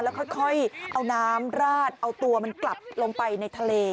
แล้วค่อยเอาน้ำราดเอาตัวมันกลับลงไปในทะเล